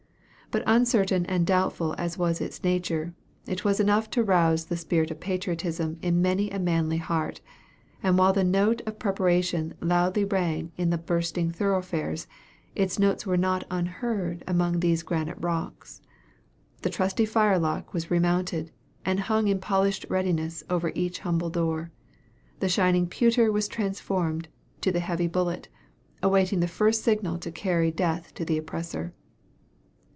"But uncertain and doubtful as was its nature, it was enough to rouse the spirit of patriotism in many a manly heart; and while the note of preparation loudly rang in the bustling thoroughfares, its tones were not unheard among these granite rocks. The trusty firelock was remounted, and hung in polished readiness over each humble door. The shining pewter was transformed to the heavy bullet, awaiting the first signal to carry death to the oppressor.